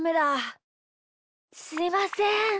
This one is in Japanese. すいません。